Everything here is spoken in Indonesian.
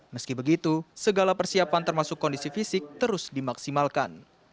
meski begitu segala persiapan termasuk kondisi fisik terus dimaksimalkan